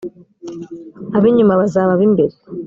ab inyuma bazaba ab imbere